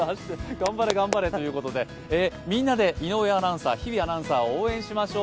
頑張れ、頑張れということでみんなで井上アナウンサー、日比アナウンサーを応援しましょう。